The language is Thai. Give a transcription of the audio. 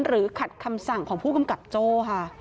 ขัดคำสั่งของผู้กำกับโจ้ค่ะ